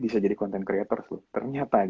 bisa jadi content creator tuh ternyata